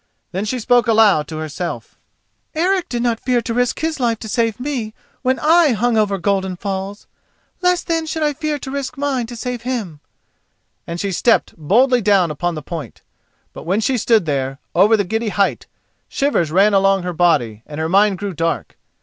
Then she spoke aloud to herself: "Eric did not fear to risk his life to save me when I hung over Golden Falls; less, then, should I fear to risk mine to save him," and she stepped boldly down upon the point. But when she stood there, over the giddy height, shivers ran along her body, and her mind grew dark.